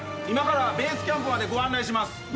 今からベースキャンプまでご案内します。